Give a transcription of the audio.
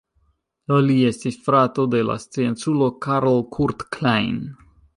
Li estis frato de la scienculo Karl Kurt Klein.